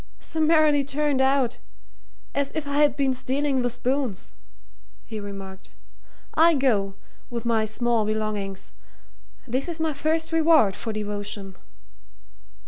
"Summarily turned out as if I had been stealing the spoons," he remarked. "I go with my small belongings. This is my first reward for devotion."